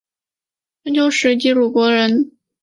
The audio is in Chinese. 春秋时期鲁国人。